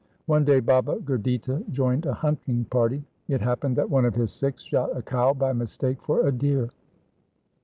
One day Baba Gurditta joined a hunting party. It happened that one of his Sikhs shot a cow by mistake for a deer.